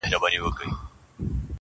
نه یې مال نه یې دولت وي ورته پاته؛